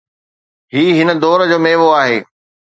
هي هن دور جو ميوو آهي.